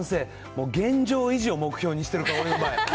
もう現状維持を目標にしてるから、俺の場合。